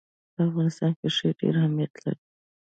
په افغانستان کې ښتې ډېر اهمیت لري.